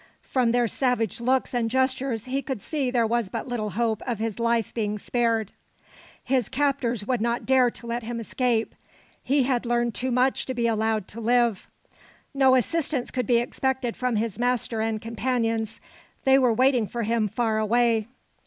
From their savage looks and gestures he could see there was but little hope of his life being spared. His captors would not dare to let him escape. He had learned too much to be allowed to live. No assistance could be expected from his master and companions. They were waiting for him far away.